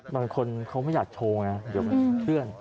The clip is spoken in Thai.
บางคนเขาไม่อยากโชว์ไงเดี๋ยวมันเคลื่อน